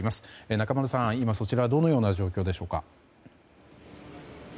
中丸さん、今そちらはどのような状況でしょうか。